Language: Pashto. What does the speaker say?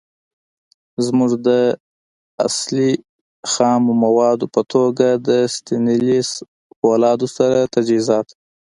زمونږ د اصلی. خامو موادو په توګه د ستينليس فولادو سره تجهیزات